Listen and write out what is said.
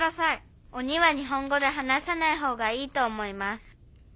「鬼は日本語で話さない方がいいと思います」。